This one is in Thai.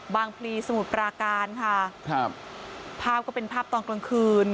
พลีสมุทรปราการค่ะครับภาพก็เป็นภาพตอนกลางคืน